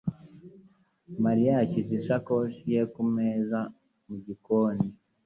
Mariya yashyize isakoshi ye kumeza mu gikoni.